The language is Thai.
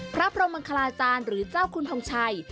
พระพรมมังคลาจารย์หรือเจ้าคุณทงชัย